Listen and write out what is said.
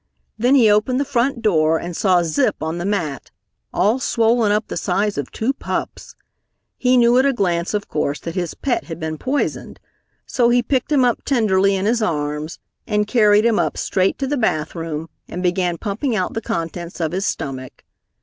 Then he opened the front door, and saw Zip on the mat, all swollen up the size of two pups. He knew at a glance, of course, that his pet had been poisoned, so he picked him up tenderly in his arms and carried him up straight to the bathroom and began pumping out the contents of his stomach.